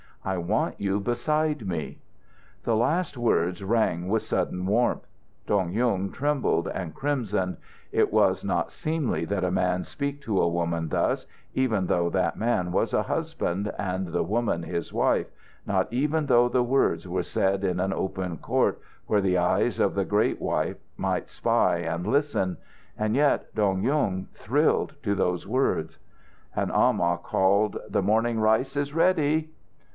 I want you beside me." The last words rang with sudden warmth. Dong Yung trembled and crimsoned. It was not seemly that a man speak to a woman thus, even though that man was a husband and the woman his wife, not even though the words were said in an open court, where the eyes of the great wife might spy and listen. And yet Dong Yung thrilled to those words. An amah called, "The morning rice is ready."